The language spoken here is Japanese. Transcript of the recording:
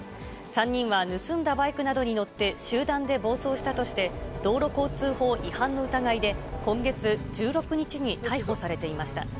３人は盗んだバイクなどに乗って、集団で暴走したとして、道路交通法違反の疑いで、今月１６日に逮捕されていました。